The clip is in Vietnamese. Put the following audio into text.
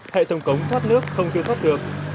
hệ thống cống thoát nước không tiêu thoát được